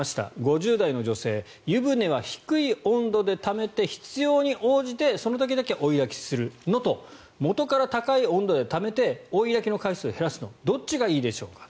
５０代の女性湯船は低い温度でためて必要に応じてその時だけ追いだきするのと元から高い温度でためて追いだきの回数を減らすのとどっちがいいでしょうか。